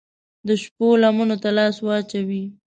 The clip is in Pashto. د شپو لمنو ته لاس واچوي